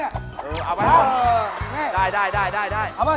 เออเอาไว้ก่อนได้เอาไว้ช่วย